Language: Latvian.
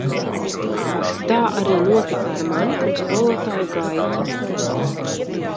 Tā arī notika ar mani un skolotāju Gaiķi.